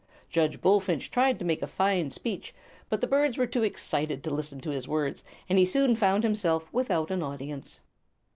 Judge Bullfinch tried to make a fine speech, but the birds were too excited to listen to his words, and he soon found himself without an audience.